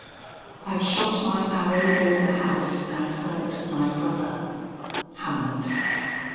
"I've shot my arrow o'er the house And hurt my brother." HAMLET.